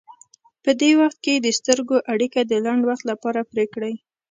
په دې وخت کې د سترګو اړیکه د لنډ وخت لپاره پرې کړئ.